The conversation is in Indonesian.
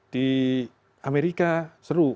di amerika seru